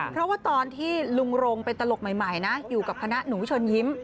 เพราะว่าตอนที่ลุงรงเป็นตลกใหม่นะอยู่กับคณะหนูเชิญยิ้ม